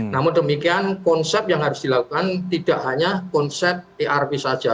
namun demikian konsep yang harus dilakukan tidak hanya konsep erp saja